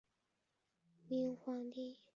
明皇陵地处昌平天寿山。